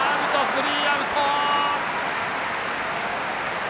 スリーアウト！